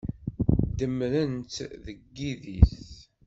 Demmren-tt deg yidis.